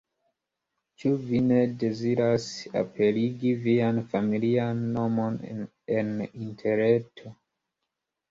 Ĉu vi ne deziras aperigi vian familian nomon en Interreto?